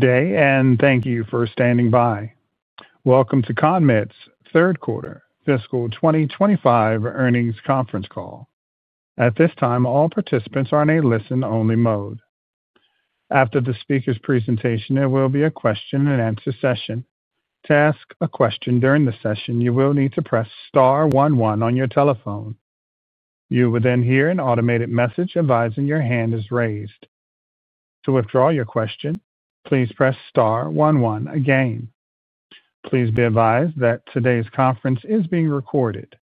Good day and thank you for standing by. Welcome to CONMED's third quarter fiscal 2025 earnings conference call. At this time, all participants are in a listen-only mode. After the speaker's presentation, there will be a question-and-answer session. To ask a question during the session, you will need to press star one one on your telephone. You will then hear an automated message advising your hand is raised. To withdraw your question, please press star one one again. Please be advised that today's conference is being recorded.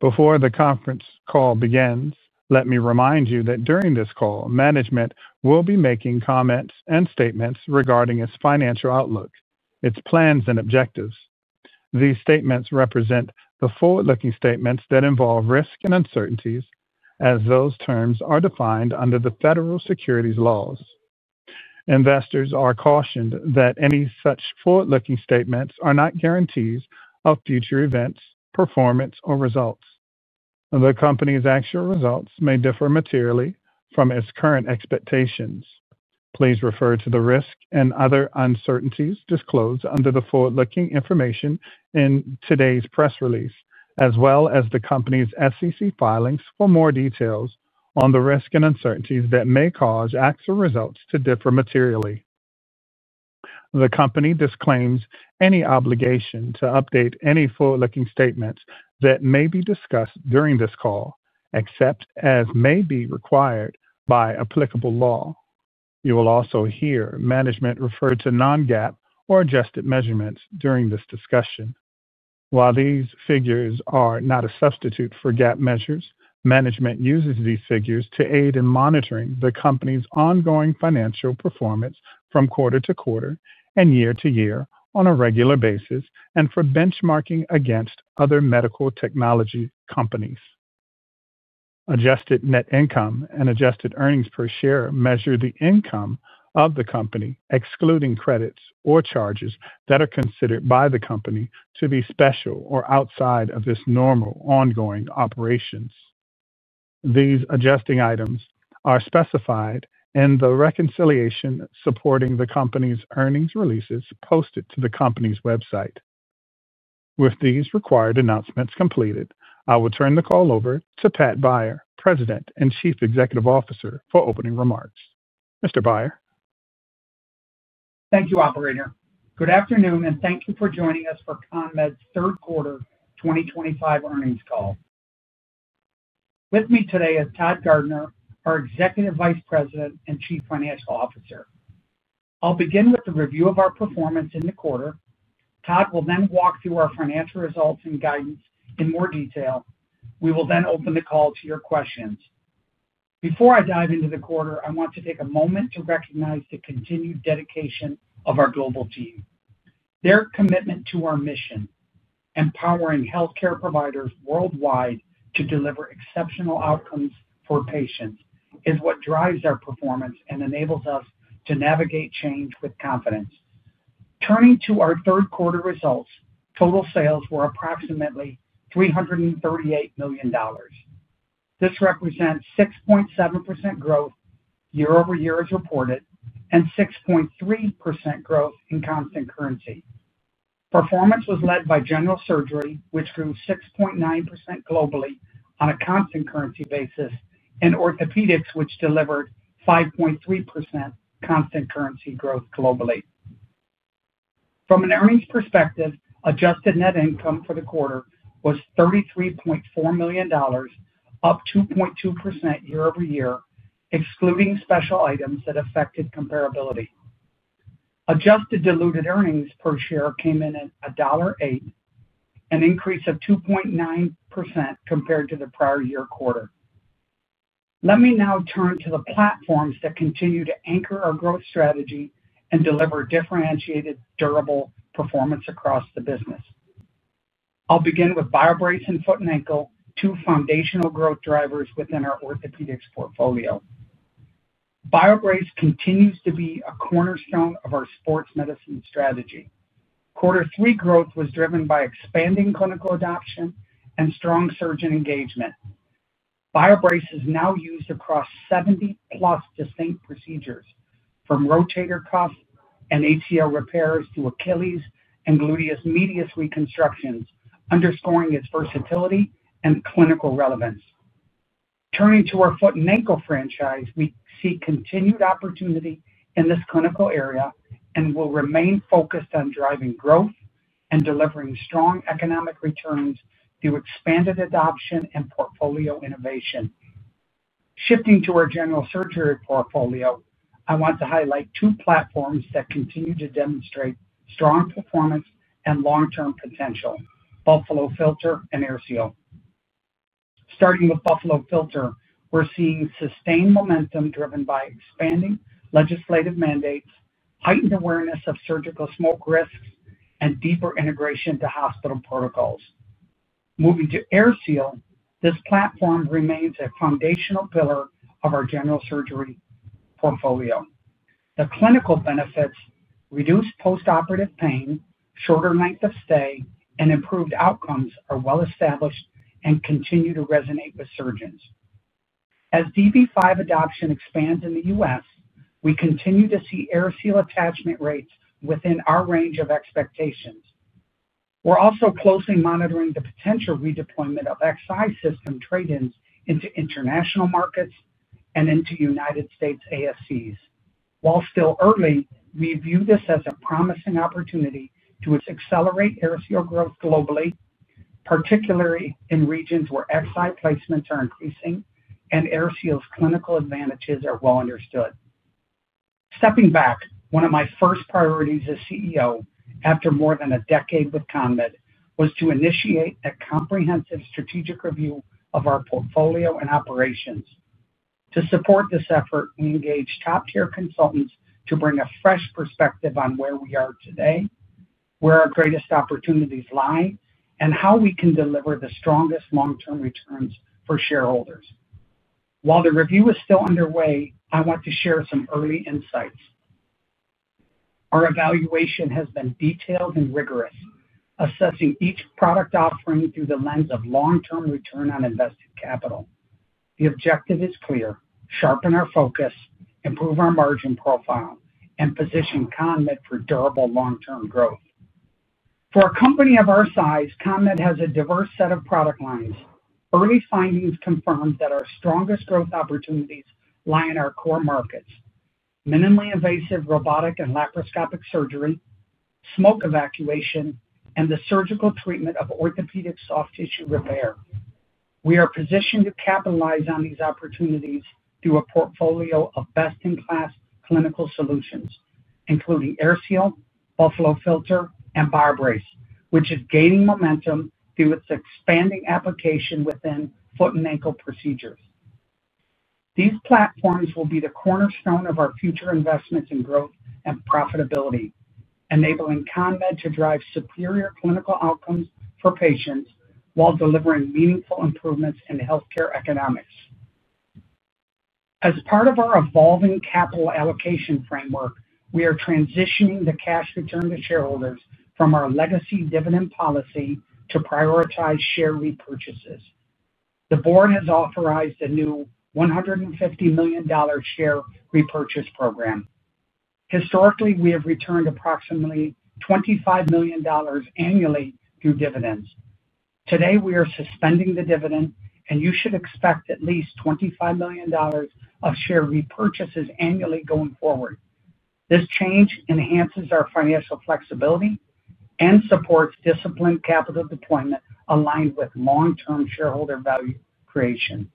Before the conference call begins, let me remind you that during this call management will be making comments and statements regarding its financial outlook, its plans and objectives. These statements represent the forward looking statements that involve risks and uncertainties as those terms are defined under the federal securities laws. Investors are cautioned that any such forward looking statements are not guarantees of future events, performance or results. The company's actual results may differ materially from its current expectations. Please refer to the risks and other uncertainties disclosed under the forward looking information in today's press release as well as the company's SEC filings for more details on the risks and uncertainties that may cause actual results to differ materially. The company disclaims any obligation to update any forward looking statements that may be discussed during this call, except as may be required by applicable law. You will also hear management refer to non-GAAP or adjusted measurements during this discussion. While these figures are not a substitute for GAAP measures, management uses these figures to aid in monitoring the company's ongoing financial performance from quarter-to-quarter and year-to-year on a regular basis and for benchmarking against other medical technology companies. Adjusted net income and adjusted earnings per share measure the income of the company, excluding credits or charges that are considered by the company to be special or outside of this normal ongoing operations. These adjusting items are specified in the reconciliation supporting the company's earnings releases posted to the company's website. With these required announcements completed, I will turn the call over to Pat Beyer, President and Chief Executive Officer, for opening remarks. Mr. Beyer, thank you operator, good afternoon and thank you for joining us for CONMED's third quarter 2025 earnings call. With me today is Todd Garner, our Executive Vice President and Chief Financial Officer. I'll begin with the review of our performance in the quarter. Todd will then walk through our financial results and guidance in more detail. We will then open the call to your questions. Before I dive into the quarter, I want to take a moment to recognize the continued dedication of our global team. Their commitment to our mission empowering healthcare providers worldwide to deliver exceptional outcomes for patients is what drives our performance and enables us to navigate change with confidence. Turning to our third quarter results, total sales were approximately $338 million. This represents 6.7% growth year-over-year as reported and 6.3% growth in constant currency. Performance was led by General Surgery, which grew 6.9% globally on a constant currency basis, and Orthopedics, which delivered 5.3% constant currency growth globally. From an earnings perspective, adjusted net income for the quarter was $33.4 million, up 2.2% year-over-year, excluding special items that affected comparability. Adjusted diluted earnings per share came in at $1.08, an increase of 2.9% compared to the prior year quarter. Let me now turn to the platforms that continue to anchor our growth strategy and deliver differentiated, durable performance across the business. I'll begin with BioBrace and Foot & Ankle, two foundational growth drivers within our Orthopedics portfolio. BioBrace continues to be a cornerstone of our sports medicine strategy. Quarter three growth was driven by expanding clinical adoption and strong surgeon engagement. BioBrace is now used across 70 plus distinct procedures from rotator cuff and ACL repairs to Achilles and gluteus medius reconstructions, underscoring its versatility and clinical relevance. Turning to our Foot & Ankle franchise, we see continued opportunity in this clinical area and will remain focused on driving growth and delivering strong economic returns through expanded adoption and portfolio innovation. Shifting to our General Surgery portfolio, I want to highlight two platforms that continue to demonstrate strong performance and long term potential: Buffalo Filter and AirSeal. Starting with Buffalo Filter, we're seeing sustained momentum driven by expanding legislative mandates, heightened awareness of surgical smoke risks, and deeper integration into hospital protocols. Moving to AirSeal, this platform remains a foundational pillar of our general surgery portfolio. The clinical benefits, reduced post operative pain, shorter length of stay, and improved outcomes are well established and continue to resonate with surgeons. As dV5 adoption expands in the U.S. we continue to see AirSeal attachment rates within our range of expectations. We're also closely monitoring the potential redeployment of Xi system trade-ins into international markets and into United States ASCs. While still early, we view this as a promising opportunity to accelerate AirSeal growth globally, particularly in regions where Xi placements are increasing and AirSeal's clinical advantages are well understood. Stepping back, one of my first priorities as CEO after more than a decade with CONMED was to initiate a comprehensive strategic review of our portfolio and operations. To support this effort, we engaged top-tier consultants to bring a fresh perspective on where we are today, where our greatest opportunities lie, and how we can deliver the strongest long-term returns for shareholders. While the review is still underway, I want to share some early insights. Our evaluation has been detailed and rigorous, assessing each product offering through the lens of long-term return on invested capital. The objective is clear: sharpen our focus, improve our margin profile, and position CONMED for durable long-term growth. For a company of our size, CONMED has a diverse set of product lines. Early findings confirmed that our strongest growth opportunities lie in our core markets: minimally invasive robotic and laparoscopic surgery, smoke evacuation, and the surgical treatment of orthopedic soft tissue repair. We are positioned to capitalize on these opportunities through a portfolio of best-in-class clinical solutions including AirSeal, Buffalo Filter, and BioBrace, which is gaining momentum through its expanding application within foot and ankle procedures. These platforms will be the cornerstone of our future investments in growth and profitability, enabling CONMED to drive superior clinical outcomes for patients while delivering meaningful improvements in healthcare economics. As part of our evolving capital allocation framework, we are transitioning the cash return to shareholders from our legacy dividend policy to prioritize share repurchases. The Board has authorized a new $150 million share repurchase program. Historically, we have returned approximately $25 million annually through dividends. Today we are suspending the dividend and you should expect at least $25 million of share repurchases annually going forward. This change enhances our financial flexibility and supports disciplined capital deployment aligned with long term shareholder value creation.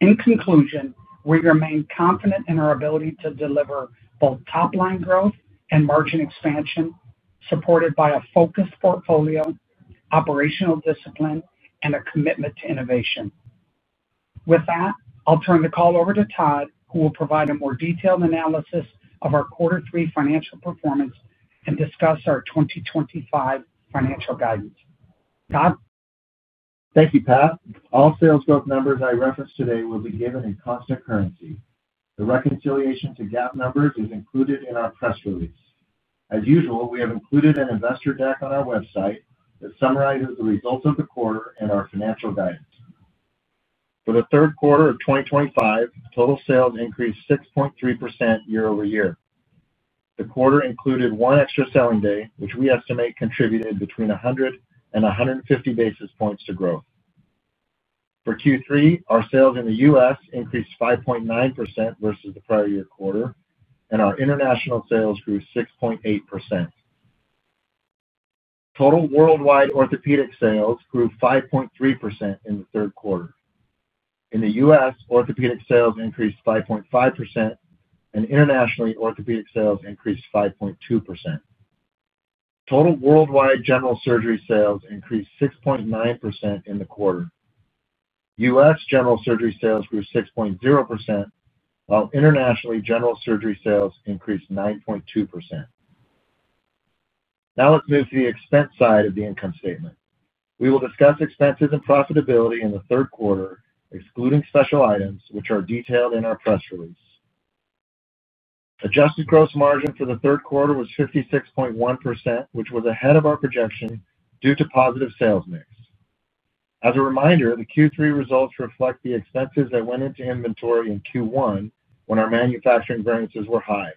In conclusion, we remain confident in our ability to deliver both top line growth and margin expansion supported by a focused portfolio, operational discipline and a commitment to innovation. With that, I'll turn the call over to Todd who will provide a more detailed analysis of our quarter three financial performance and discuss our 2025 financial guidance. Todd thank you Pat. All sales growth numbers I referenced today will be given in constant currency. The reconciliation to GAAP numbers is included in our press release. As usual, we have included an investor deck on our website that summarizes the results of the quarter and our financial guidance. For the third quarter of 2025, total sales increased 6.3% year-over-year. The quarter included one extra selling day which we estimate contributed between 100 and 150 basis points to growth. For Q3, our sales in the U.S. increased 5.9% versus the prior year quarter and our international sales grew 6.8%. Total worldwide orthopedic sales grew 5.3% in the third quarter. In the U.S. orthopedic sales increased 5.5% and internationally orthopedic sales increased 5.2%. Total worldwide general surgery sales increased 6.9% in the quarter. U.S. general surgery sales grew 6.0% while internationally general surgery sales increased 9.2%. Now let's move to the expense side of the income statement. We will discuss expenses and profitability in the third quarter, excluding special items which are detailed in our press release. Adjusted gross margin for the third quarter was 56.1%, which was ahead of our projection due to positive sales mix. As a reminder, the Q3 results reflect the expenses that went into inventory in Q1 when our manufacturing variances were high.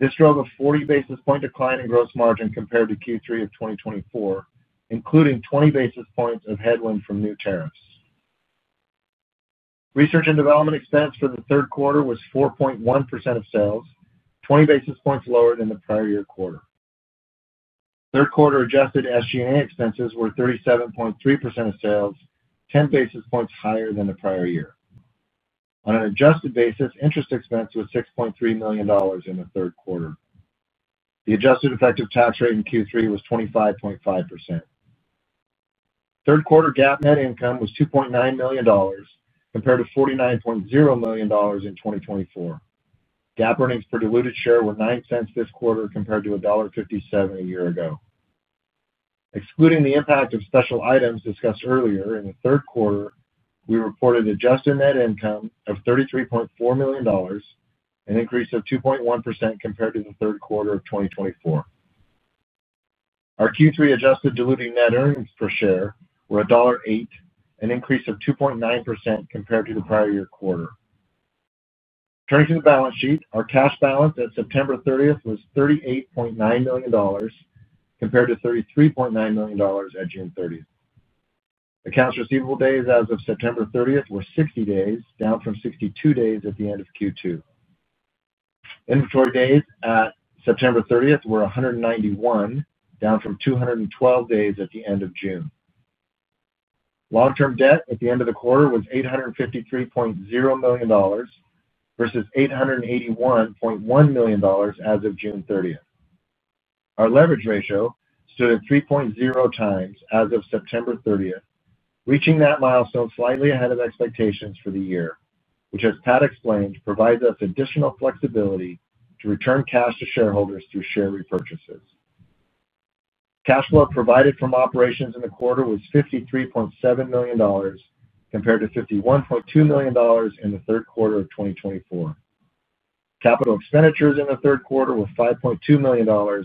This drove a 40 basis point decline in gross margin compared to Q3 of 2024, including 20 basis points of headwind from new tariffs. Research and development expense for the third quarter was 4.1% of sales, 20 basis points lower than the prior year quarter. Third quarter adjusted SG&A expenses were 37.3% of sales, 10 basis points higher than the prior year on an adjusted basis. Interest expense was $6.3 million in the third quarter. The adjusted effective tax rate in Q3 was 25.5%. Third quarter GAAP net income was $2.9 million compared to $49.0 million in 2024. GAAP earnings per diluted share were $0.09 this quarter compared to $1.57 a year ago. Excluding the impact of special items discussed earlier in the third quarter, we reported adjusted net income of $33.4 million, an increase of 2.1% compared to the third quarter of 2024. Our Q3 adjusted diluting net earnings per share were $1.08, an increase of 2.9% compared to the prior year quarter. Turning to the balance sheet, our cash balance at September 30th was $38.9 million compared to $33.9 million at June 30th. Accounts receivable days as of September 30th were 60 days, down from 62 days at the end of Q2. Inventory days at September 30 were 191, down from 212 days at the end of June. Long term debt at the end of the quarter was $853.0 million versus $881.1 million as of June 30th. Our leverage ratio stood at 3.0x as of September 30th, reaching that milestone slightly ahead of expectations for the year, which, as Pat explained, provides us additional flexibility to return cash to shareholders through share repurchases. Cash flow provided from operations in the quarter was $53.7 million compared to $51.2 million in the third quarter of 2024. Capital expenditures in the third quarter were $5.2 million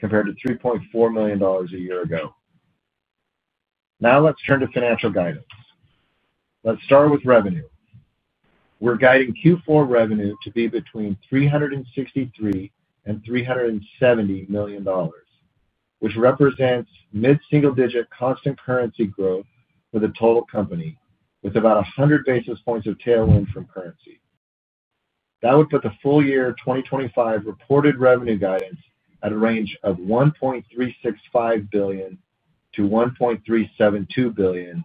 compared to $3.4 million a year ago. Now let's turn to financial guidance. Let's start with revenue. We're guiding Q4 revenue to be between $363 million and $370 million, which represents mid single digit constant currency growth for the total company. With about 100 basis points of tailwind from currency. That would put the full year 2025 reported revenue guidance at a range of $1.365 billion-$1.372 billion,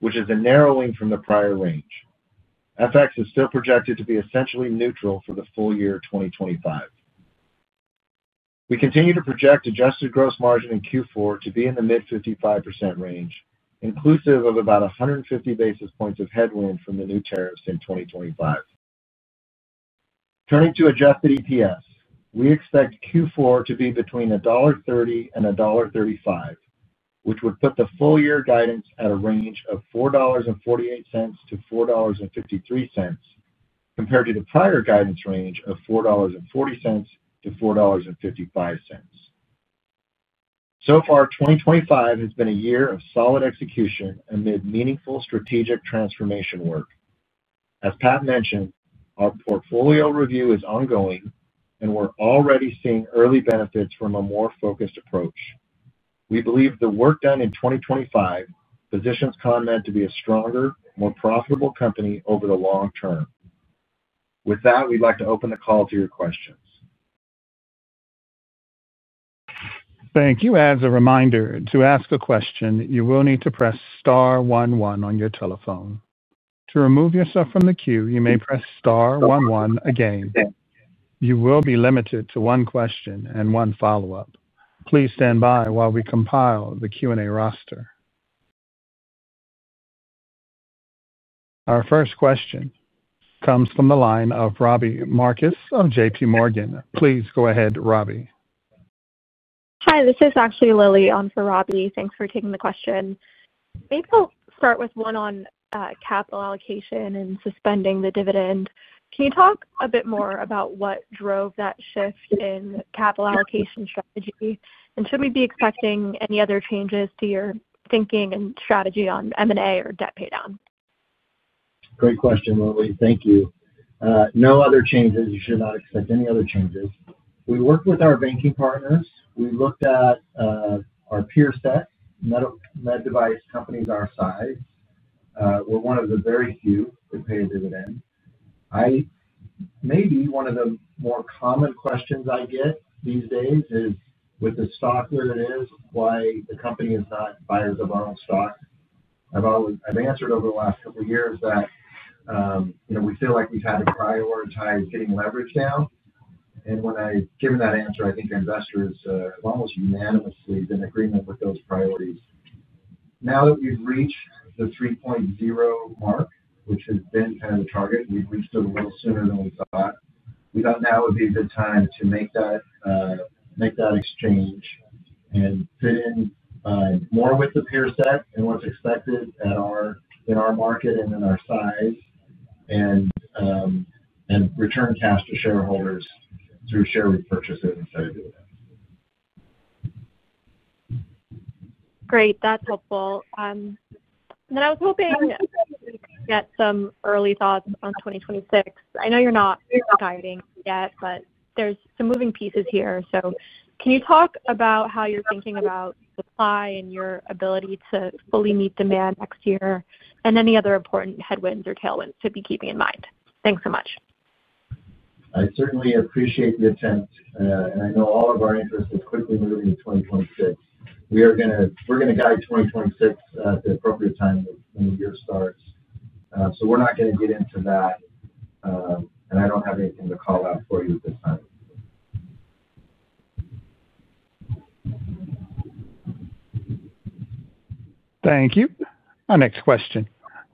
which is a narrowing from the prior range. FX is still projected to be essentially neutral for the full year 2025. We continue to project adjusted gross margin in Q4 to be in the mid 55% range, inclusive of about 150 basis points of headwind from the new tariffs in 2025. Turning to adjusted EPS, we expect Q4 to be between $1.30 and $1.35, which would put the full year guidance at a range of $4.48-$4.53 compared to the prior guidance range of $4.40-$4.55. So far, 2025 has been a year of solid execution amid meaningful strategic transformation work. As Pat mentioned, our portfolio review is ongoing and we're already seeing early benefits from a more focused approach. We believe the work done in 2025 positions CONMED to be a stronger, more profitable company over the long term. With that, we'd like to open the call to your questions. Thank you. As a reminder to ask a question, you will need to press star one one on your telephone to remove yourself from the queue. You may press star one one again. You will be limited to one question and one follow up. Please stand by while we compile the Q&A roster. Our first question comes from the line of Robbie Marcus of JPMorgan. Please go ahead. Robbie. Hi, this is actually Lily on for Robbie. Thanks for taking the question. Maybe I'll start with one on capital allocation and suspending the dividend. Can you talk a bit more about what drove that shift in capital allocation strategy and should we be expecting any other changes to your thinking and strategy on M&A or debt paydown? Great question, Lily. Thank you. No other changes. You should not expect any other changes. We worked with our banking partners. We looked at our peer set med device companies, our size. We're one of the very few who pay a dividend. Maybe one of the more common questions I get these days is with the stock where it is, why the company is not buyers of our own stock. I've answered over the last couple years that we feel like we've had to prioritize getting leveraged down. When I've given that answer, I think investors almost unanimously been in agreement with those priorities. Now that we've reached the 3.0 mark, which has been kind of the target, we've reached it a little sooner than we thought. We thought now would be a good time to make that exchange and fit in more with the peer set and what's expected in our market and in our size and return cash to shareholders through share repurchases instead of dividends. Great. That's helpful. I was hoping to get some early thoughts on 2026. I know you're not guiding, but there's some moving pieces here. Can you talk about how you're thinking about supply and your ability to fully meet demand next year and any other important headwinds or tailwinds to be keeping in mind? Thanks so much. I certainly appreciate the attempt and I know all of our interest is quickly moving to 2026. We're going to guide 2026 at the appropriate time when the year starts, so we're not going to get into that and I don't have anything to call out for you at this time. Thank you. Our next question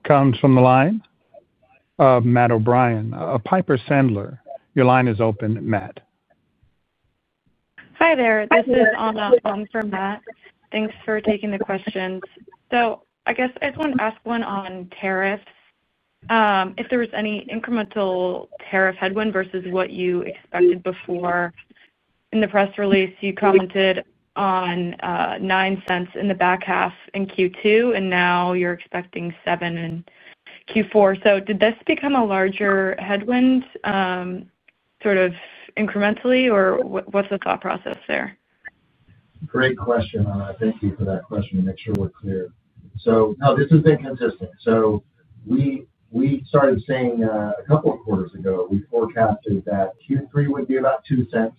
comes from the line. Matt O'Brien, Piper Sandler. Your line is open. Matt. Hi there. This is Anna on for Matt. Thanks for taking the questions. I guess I just want to ask one on tariffs, if there was any incremental tariff headwind versus what you expected before. In the press release you commented on $0.09 in the back half in Q2 and now you're expecting $0.07 in Q4. Did this become a larger headwind sort of incrementally, or what's the thought process there? Great question. Thank you for that question to make sure we're clear. No, this has been consistent. We started saying a couple of quarters ago we forecasted that Q3 would be about $0.02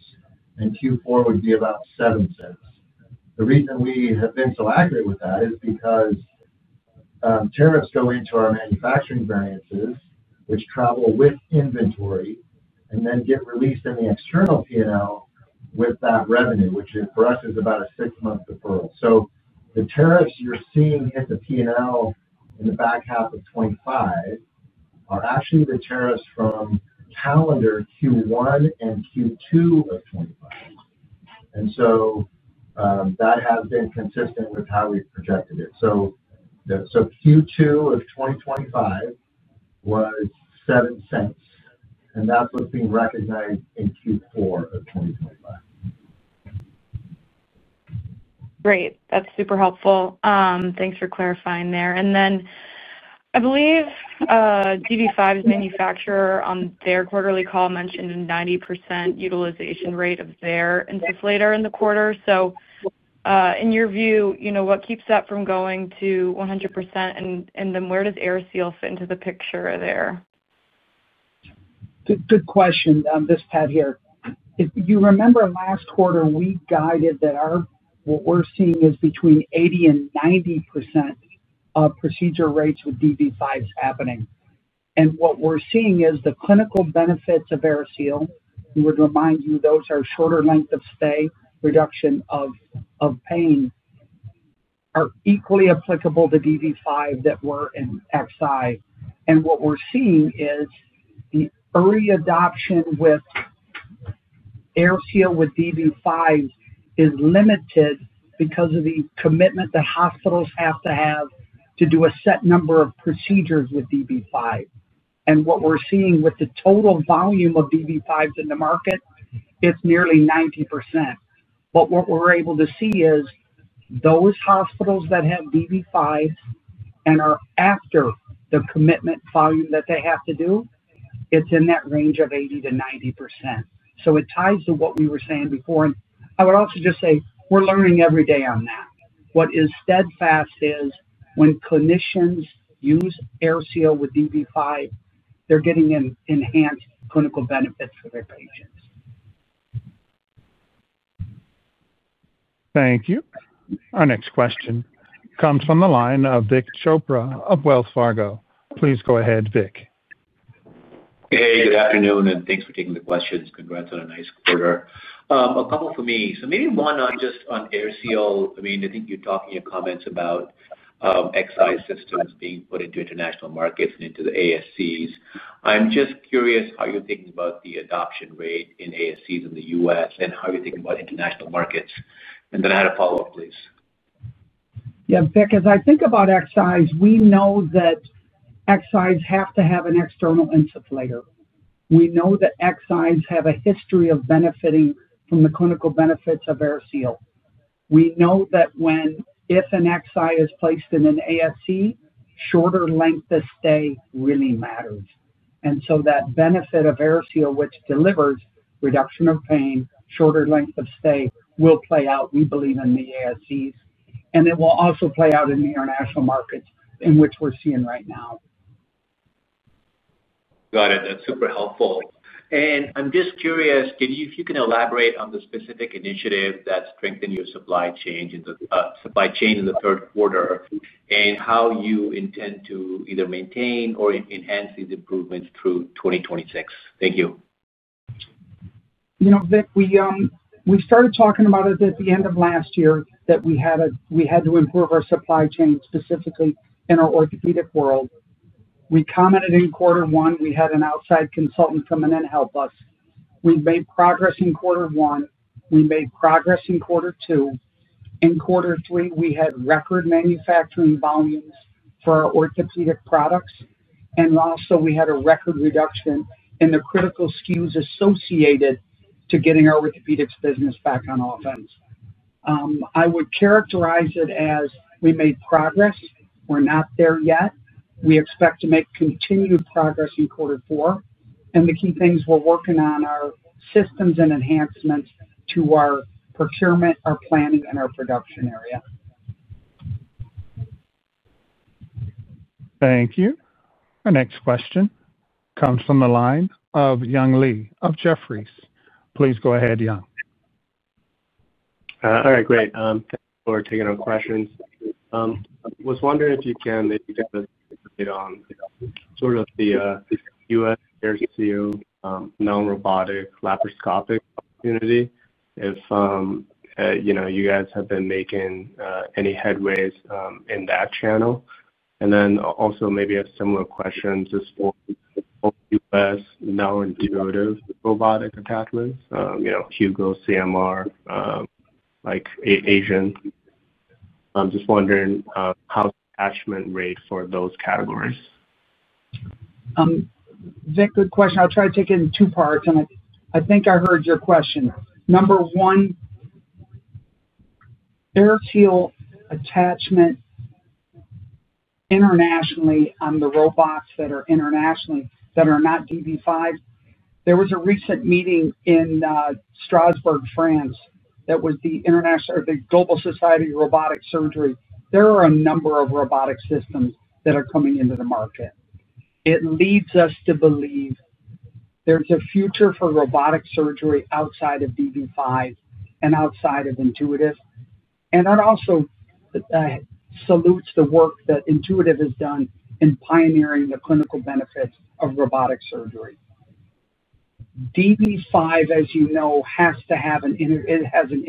and Q4 would be about $0.07. The reason we have been so accurate with that is because tariffs go into our manufacturing variances which travel with inventory and then get released in the external P&L with that revenue, which for us is about a six-month deferral. The tariffs you're seeing hit the P&L in the back half of 2025 are actually the tariffs from calendar Q1 and Q2 of 2025. That has been consistent with how we've projected it. Q2 of 2025 was $0.07. That's what's being recognized in Q4 of 2025. Great, that's super helpful. Thanks for clarifying there. I believe dV5's manufacturer on their quarterly call mentioned a 90% utilization rate of their insufflator in the quarter. In your view, what keeps that from going to 100% and where does AirSeal fit into the picture there? Good question. This is Pat here, if you remember last quarter we guided that what we are seeing is between 80%-90% of procedure rates with dV5s happening. What we are seeing is the clinical benefits of AirSeal. We would remind you those are shorter length of stay, reduction of pain, are equally applicable to dV5 that were in Xi. What we are seeing is the early adoption with AirSeal with dV5 is limited because of the commitment that hospitals have to have to do a set number of procedures with dV5. What we are seeing with the total volume of dV5s in the market, it is nearly 90%. What we are able to see is those hospitals that have dV5 and are after the commitment volume that they have to do, it is in that range of 80%-90%. It ties to what we were saying before. I would also just say we're learning every day on that. What is steadfast is when clinicians use AirSeal with dV5, they're getting enhanced clinical benefits for their patients. Thank you. Our next question comes from the line of Vik Chopra of Wells Fargo. Please go ahead. Vik. Hey, good afternoon and thanks for taking the questions. Congrats on a nice quarter. A couple for me. Maybe one just on AirSeal. I mean, I think you talked in your comments about Xi systems being put into international markets and into the ASCs. I'm just curious how you're thinking about the adoption rate in ASCs in the U.S. and how you think about international markets. I had a follow up. Please. Yeah, Vik, as I think about Xi, we know that Xis have to have an external insulator. We know that Xis have a history of benefiting from the clinical benefits of AirSeal. We know that when if an Xi is placed in an ASC, shorter length of stay really matters. That benefit of AirSeal, which delivers reduction of pain, shorter length of stay, will play out. We believe in the ASCs and it will also play out in the international markets in which we're seeing right now. Got it. That's super helpful. I'm just curious if you can elaborate on the specific initiative that strengthened your supply chain in the third quarter and how you intend to either maintain or enhance these improvements through 2026. Thank you. You know, Vik, we started talking about it at the end of last year that we had to improve our supply chain specifically in our orthopedic world. We commented in quarter one, we had an outside consultant come in and help us. We've made progress in quarter one, we made progress in quarter two. In quarter three, we had record manufacturing volumes for our orthopedic products and also we had a record reduction in the critical SKUs associated to getting our orthopedics business back on offense. I would characterize it as we made progress. We're not there yet. We expect to make continued progress in quarter four. The key things we're working on are systems and enhancements to our procurement, our planning and our production area. Thank you. Our next question comes from the line of Young Li of Jefferies. Please go ahead Young. All right, great. Thanks for taking our questions. Was wondering if you can maybe give us sort of the U.S. non-robotic laparoscopic community, if you know, you guys have been making any headways in that channel. And then also maybe a similar question just for U.S. now Intuitive robotic attachments. You know, Hugo, CMR, like Asian. I'm just wondering how attachment rate for those categories. Vik, good question. I'll try to take it in two parts and I think I heard your question. Number one, AirSeal attachment internationally on the robots that are internationally that are not dV5. There was a recent meeting in Strasbourg, France that was the international, the Global Society of Robotic Surgery. There are a number of robotic systems that are coming into the market. It leads us to believe there's a future for robotic surgery outside of dV5 and outside of Intuitive. That also salutes the work that Intuitive has done in pioneering the clinical benefits of robotic surgery. dV5, as you know, has to have an—it has an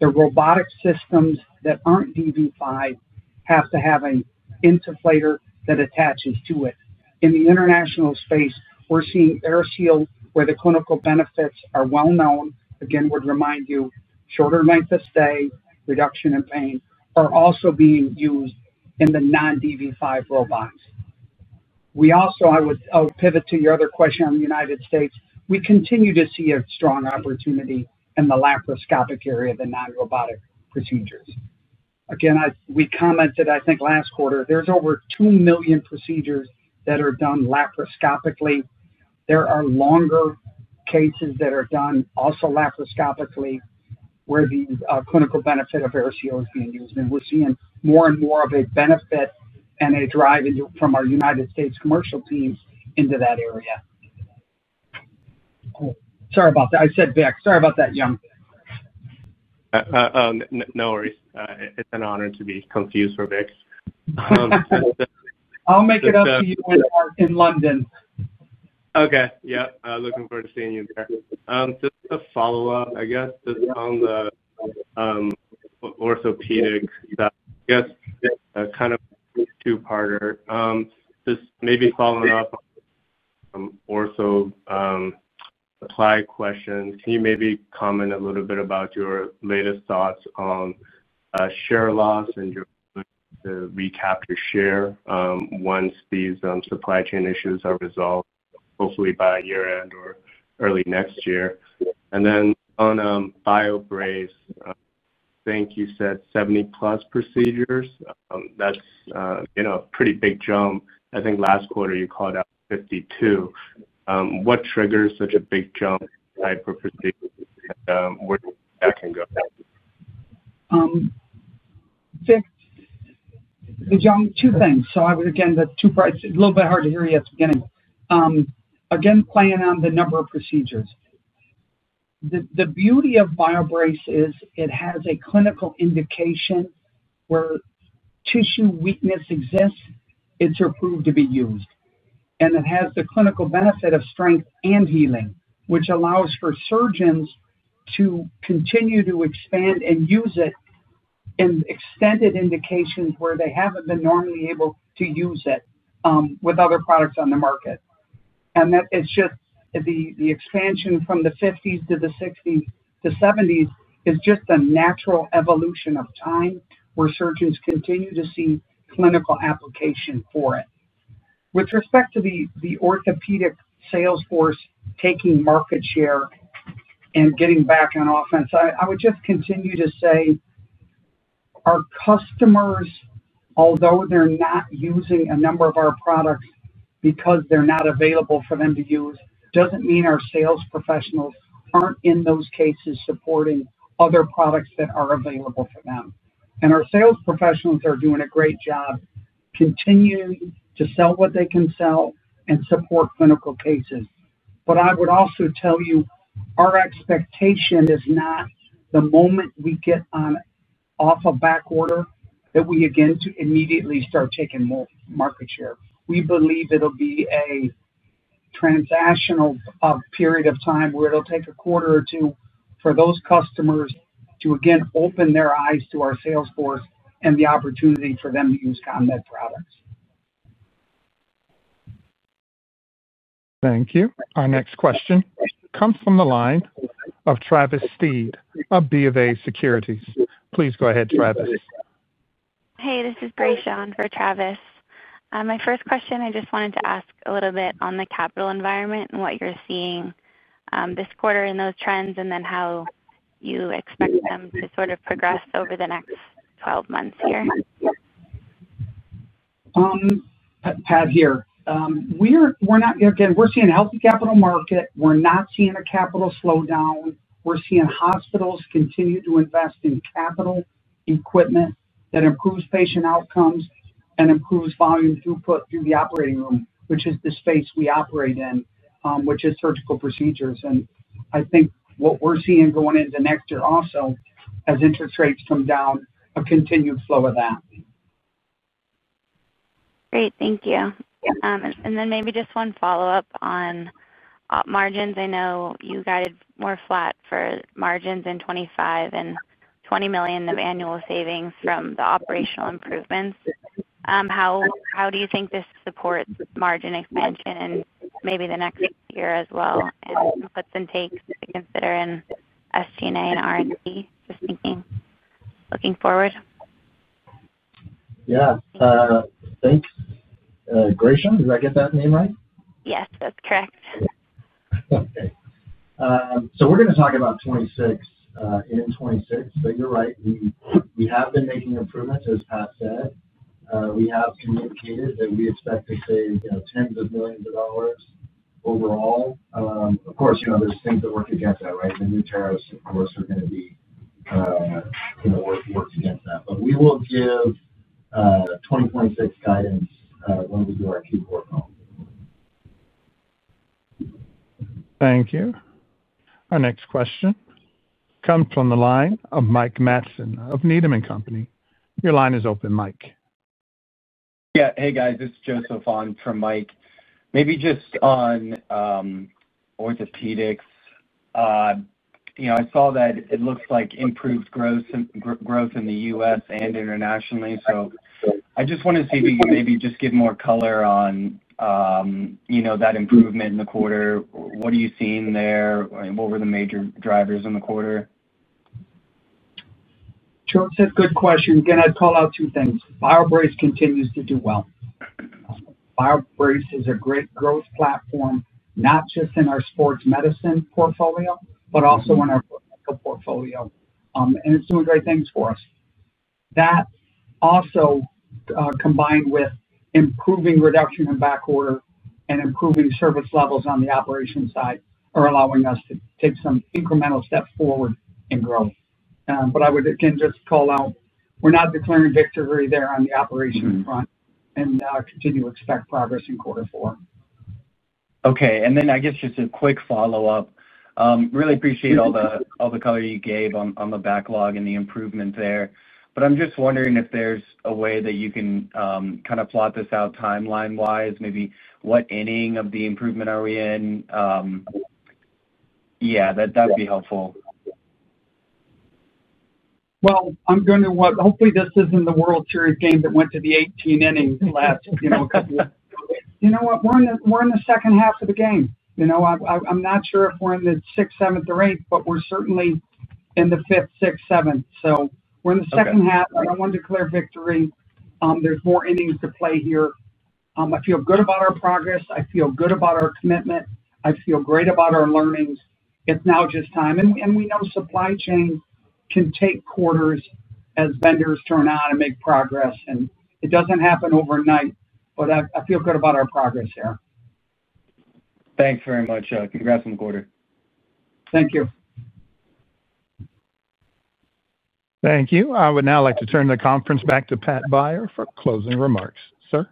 integrated—the robotic systems that aren't dV5 have to have an insufflator that attaches to it. In the international space, we're seeing AirSeal where the clinical benefits are well known. Again, would remind you shorter length of stay, reduction in pain are also being used in the non-dV5 robots. We also, I would pivot to your other question on the United States. We continue to see a strong opportunity in the laparoscopic area, the non robotic procedures. Again, we commented I think last quarter there's over 2 million procedures that are done laparoscopically. There are longer cases that are done also laparoscopically where the clinical benefit of AirSeal is being used. And we're seeing more and more of a benefit and a drive from our United States commercial teams into that area. Sorry about that. I said Vik, sorry about that Young. No worries. It's an honor to be confused for Vik. I'll make it up to you in London. Okay. Yeah, looking forward to seeing you there. Just a follow-up I guess on the orthopedics, kind of two-parter, just maybe following up ortho supply questions. Can you maybe comment a little bit about your latest thoughts on share loss and your recapture share once these supply chain issues are resolved, hopefully by year end or early next year. On BioBrace I think you said 70+ procedures. That's a pretty big jump. I think last quarter you called out 52. What triggers such a big jump type of procedure where that can go? Two things. I would again, a little bit hard to hear you at the beginning, again playing on the number of procedures. The beauty of BioBrace is it has a clinical indication where tissue weakness exists, it's approved to be used, and it has the clinical benefit of strength and healing, which allows for surgeons to continue to expand and use it in extended indications where they haven't been normally able to use it with other products on the market. That it's just the expansion from the 50s to the 60s to 70s is just a natural evolution of time where surgeons continue to see clinical application for it. With respect to the orthopedic sales force taking market share and getting back on offense, I would just continue to say our customers, although they're not using a number of our products because they're not available for them to use, does not mean our sales professionals are not in those cases supporting other products that are available for them. Our sales professionals are doing a great job continuing to sell what they can sell and support clinical cases. I would also tell you our expectation is not the moment we get off a backorder that we again immediately start taking more market share. We believe it will be a transactional period of time where it will take a quarter or two for those customers to again open their eyes to our sales force and the opportunity for them to use CONMED products. Thank you. Our next question comes from the line of Travis Steed of BofA Securities. Please go ahead, Travis. Hey, this is Graysean, for Travis, my first question, I just wanted to ask a little bit on the capital environment and what you're seeing this quarter in those trends and then how you expect them to sort of progress over the next 12 months here. Pat, here we're not again, we're seeing a healthy capital market. We're not seeing a capital slowdown. We're seeing hospitals continue to invest in capital equipment that improves patient outcomes and improves volume throughput through the operating room, which is the space we operate in, which is surgical procedures. I think what we're seeing going into next year also as interest rates come down, a continued flow of that. Great, thank you. Maybe just one follow up on margins. I know you guided more flat for margins in 2025 and $20 million of annual savings from the operational improvements. How do you think this supports margin expansion and maybe the next year as well, puts and takes to consider in SG&A and R&D. Just thinking, looking forward. Yeah, thanks Graysean. Did I get that name right? Yes, that's correct. Okay, so we're going to talk about 26 in 2026. But you're right, we have been making improvements, as Pat said. We have communicated that we expect to save tens of millions of dollars overall. Of course, you know there's things that work against that, right? The new tariffs, of course, are going to be worked against that. But we will give 2026 guidance when we do our Q4 call. Thank you. Our next question comes from the line of Mike Matson of Needham & Company. Your line is open, Mike. Yeah. Hey guys, this is Joseph on from Mike. Maybe just on orthopedics, I saw that it looks like improved growth in the U.S. and internationally. I just want to see if You can maybe just give more color on that improvement in the quarter. What are you seeing there? What were the major drivers in the quarter? Good question. Again, I'd call out two things BioBrace continues to do. Well, BioBrace is a great growth platform not just in our sports medicine portfolio, but also in our portfolio and it's doing great things for us. That also combined with improving reduction in backorder and improving service levels on the operations side are allowing us to take some incremental steps forward and grow. I would again just call out we're not declaring victory there on the operations front and continue to expect progress in quarter four. Okay. I guess just a quick follow up. Really appreciate all the color you gave on the backlog and the improvement there. I am just wondering if there is a way that you can kind of plot this out timeline wise, maybe. What inning of the improvement are we in? Yeah, that would be helpful. I'm going to. Hopefully this isn't the World Series game that went to the 18 innings last couple. You know what, we're in the second half of the game. You know, I'm not sure if we're in the sixth, seventh or eighth, but we're certainly in the fifth, sixth, seventh. We're in the second half. I don't want to declare victory. There's more innings to play here. I feel good about our progress. I feel good about our commitment. I feel great about our learnings. It's now just time and we know supply chain can take quarters as vendors turn on and make progress. It doesn't happen overnight. I feel good about our progress there. Thanks very much. Congrats on the quarter. Thank you. Thank you. I would now like to turn the conference back to Pat Beyer for closing remarks. Sir,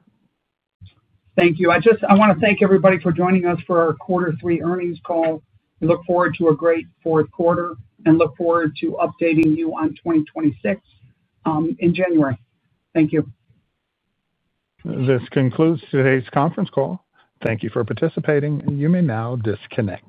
thank you. I just, I want to thank everybody for joining us for our quarter three earnings call. We look forward to a great fourth quarter and look forward to updating you on 2026 in January. Thank you. This concludes today's conference call. Thank you for participating. You may now disconnect.